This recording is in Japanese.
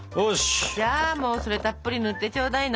じゃあもうそれたっぷり塗ってちょうだいな！